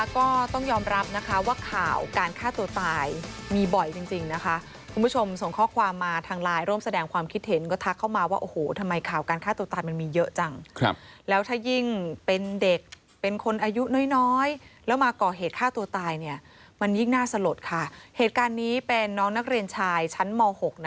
ก็ต้องยอมรับนะคะว่าข่าวการฆ่าตัวตายมีบ่อยจริงนะคะคุณผู้ชมส่งข้อความมาทางไลน์ร่วมแสดงความคิดเห็นก็ทักเข้ามาว่าโอ้โหทำไมข่าวการฆ่าตัวตายมันมีเยอะจังแล้วถ้ายิ่งเป็นเด็กเป็นคนอายุน้อยแล้วมาก่อเหตุฆ่าตัวตายเนี่ยมันยิ่งน่าสลดค่ะเหตุการณ์นี้เป็นน้องนักเรียนชายชั้นม๖